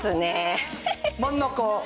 真ん中？